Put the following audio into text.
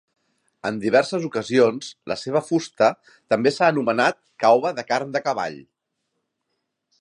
En diverses ocasions, la seva fusta també s'ha anomenat "caoba de carn de cavall".